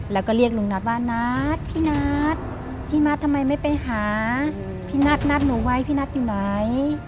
แล้วก็เรียกลุงนัทว่านัทพี่นัทพี่นัททำไมไม่ไปหาพี่นัทนัดหนูไว้พี่นัทอยู่ไหน